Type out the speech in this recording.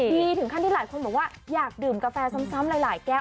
ถึงขั้นที่หลายคนบอกว่าอยากดื่มกาแฟซ้ำหลายแก้ว